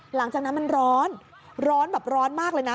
หลังจากนั้นมันร้อนร้อนแบบร้อนมากเลยนะ